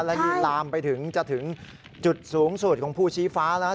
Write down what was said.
และที่รามจะถึงจุดสูงสุดจุดของภูชิฟ้านะครับ